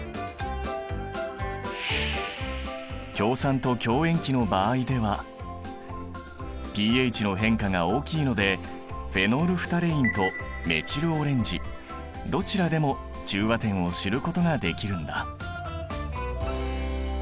強酸と強塩基の場合ではｐＨの変化が大きいのでフェノールフタレインとメチルオレンジどちらでも中和点を知ることができるんだ。